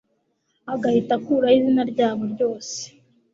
agahita akuraho izina ryabo ryose